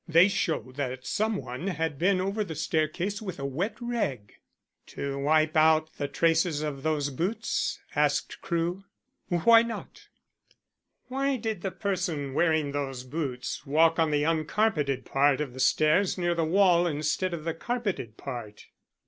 They show that some one had been over the staircase with a wet rag." "To wipe out the traces of those boots?" asked Crewe. "Why not?" "Why did the person wearing those boots walk on the uncarpeted part of the stairs near the wall instead of the carpeted part?"